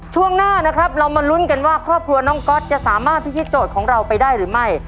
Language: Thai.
ช่วงหน้านะครับเรามาลุ้นกันว่าครอบครัวน้องก๊อตจะสามารถพิธีโจทย์ของเราไปได้หรือไม่